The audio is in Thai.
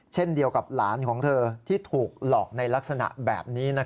เช่นเดียวกับหลานของเธอที่ถูกหลอกในลักษณะแบบนี้